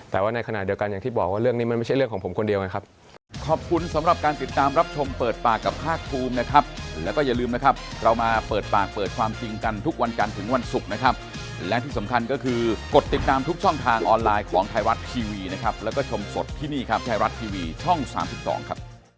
แต่ว่าในขณะเดียวกันอย่างที่บอกว่าเรื่องนี้มันไม่ใช่เรื่องของผมคนเดียวไงครับ